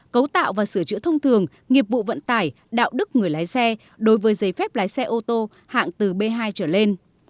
cấu tạo và sửa chữa thông thường nghiệp vụ vận tải đạo đức người lái xe đối với giấy phép lái xe ô tô hạng từ b hai trở lên